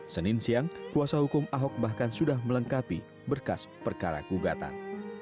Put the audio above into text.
senin siang kuasa hukum ahok bahkan sudah melengkapi berkas perkara gugatan